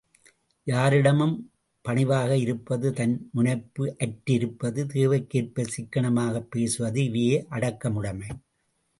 யாரிடமும் பணிவாக இருப்பது தன் முனைப்பு அற்று இருப்பது தேவைக்கேற்பச் சிக்கனமாகப் பேசுவது இவையே அடக்கமுடைமை.